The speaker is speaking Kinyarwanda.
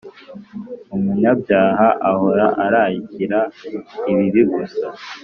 umunyabyaha ahora ararikira ibibi gusa